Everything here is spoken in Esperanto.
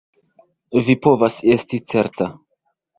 Vi povas esti certa.